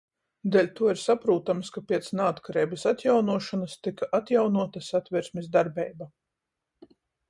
Deļtuo ir saprūtams, ka piec naatkareibys atjaunuošonys tyka atjaunuota Satversmis darbeiba.